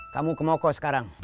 kamu ke moko sekarang